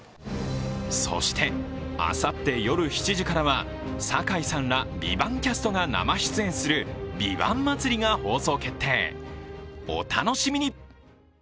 そして、あさって夜７時からは堺さんら「ＶＩＶＡＮＴ」キャストが生出演する「ＶＩＶＡＮＴ祭り」が放送決定お楽しみに！